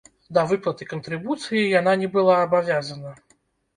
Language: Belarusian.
Да выплаты кантрыбуцыі яна не была абавязана.